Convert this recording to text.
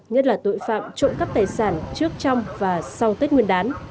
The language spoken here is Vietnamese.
nhất là tội phạm trộm cắp tài sản trước trong và sau tết nguyên đán